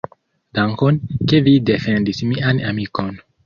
Dankon, ke vi defendis mian amikon.